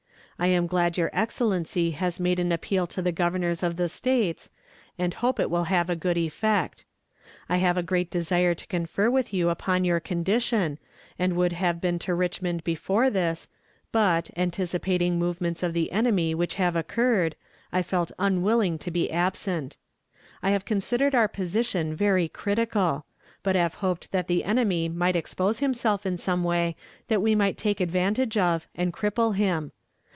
I am glad your Excellency has made an appeal to the Governors of the States, and hope it will have a good effect. I have a great desire to confer with you upon our condition, and would have been to Richmond before this, but, anticipating movements of the enemy which have occurred, I felt unwilling to be absent. I have considered our position very critical; but have hoped that the enemy might expose himself in some way that we might take advantage of, and cripple him.